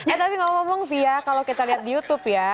eh tapi ngomong ngomong fia kalau kita lihat di youtube ya